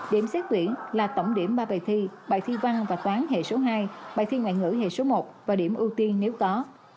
điểm xét tuyển là tổng điểm ba bài thi bài thi văn và toán hệ số hai bài thi ngoại ngữ hệ số một và điểm ưu tiên nếu có